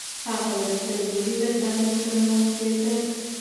هغه ورځ تر بلې له تنګو سره مخ کېده.